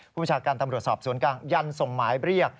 ประชาการตำรวจสอบสวนกลางยันส่งหมายเรียก